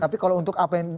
tapi kalau untuk apa yang